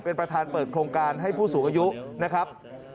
เป็นประธานเปิดโครงการให้ผู้สูงอายุนะครับ